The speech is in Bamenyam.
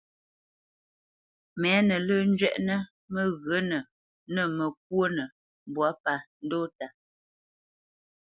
Mɛ́nǝ́ lǝ̂ zhwɛʼnǝ mǝghyǝ̌nǝ nǝ́ mǝkwónǝ mbwǎ pa ndɔʼta.